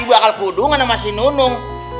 ibu akal kudungan sama si nunung